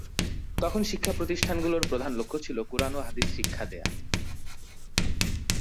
তখন শিক্ষা প্রতিষ্ঠানগুলোর প্রধান লক্ষ্য ছিল কুরআন ও হাদীস শিক্ষা দেয়া।